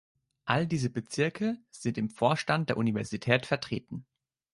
All diese Bezirke sind im Vorstand der Universität vertreten.